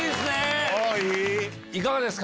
いかがですか？